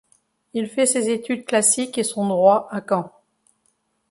Il fait ses études classiques et son droit à Caen.